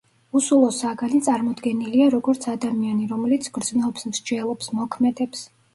უსულო საგანი წარმოდგენილია, როგორც ადამიანი, რომელიც გრძნობს, მსჯელობს, მოქმედებს.